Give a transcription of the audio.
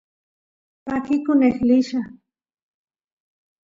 pakikun eqlilla